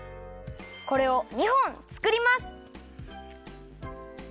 これを２本つくります。